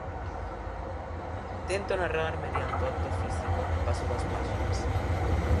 Tento narrar mediante o acto físico, no paso das páxinas.